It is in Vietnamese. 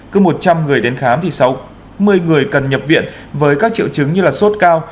cứ một trăm linh người đến khám thì sáu mươi người cần nhập viện với các triệu chứng như sốt cao